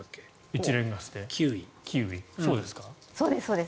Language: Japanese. そうです。